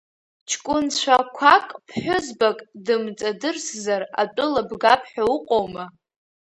Ҷкәынцәа қәак ԥҳәызбак дымҵадырсзар, атәыла бгапҳәа уҟоума.